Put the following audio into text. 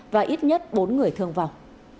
và ít nhất bốn người thương vọng